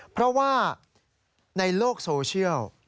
เพราะว่าในโลกโซเชียล